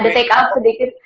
ada take out sedikit